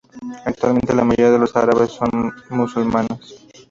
Actualmente, la mayoría de los árabes son musulmanes.